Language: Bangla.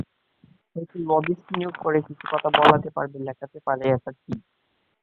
হয়তো লবিস্ট নিয়োগ করে কিছু কথা বলাতে পারে, লেখাতে পারে, এটা ঠিক।